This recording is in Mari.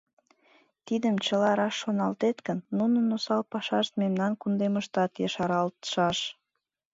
Тидым чыла раш шоналтет гын, нунын осал пашашт мемнан кундемыштат ешаралтшаш.